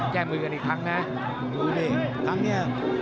แก้มือกันอีกครั้งนะ